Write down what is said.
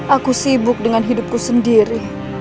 aku sibuk dengan hidupku sendiri